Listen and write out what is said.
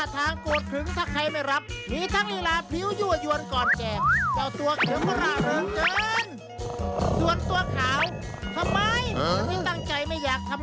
ทำอะไรก็น่ารักอ่ะ